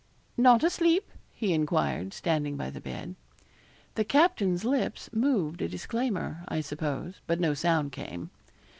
'Not asleep?' he enquired, standing by the bed. The captain's lips moved a disclaimer, I suppose, but no sound came.